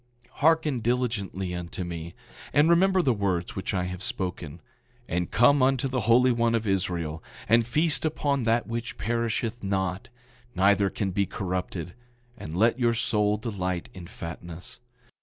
Hearken diligently unto me, and remember the words which I have spoken; and come unto the Holy One of Israel, and feast upon that which perisheth not, neither can be corrupted, and let your soul delight in fatness.